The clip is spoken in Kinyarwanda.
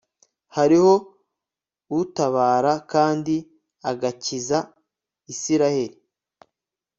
hariho utabara kandi agakiza israheli